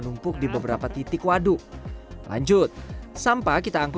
sampah yang terbanyak tanaman liar gulma dan sampah rumah tangga